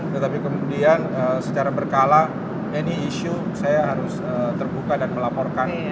tetapi kemudian secara berkala any issue saya harus terbuka dan melaporkan